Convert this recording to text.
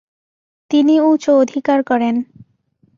তিনি উচ অধিকার করেন।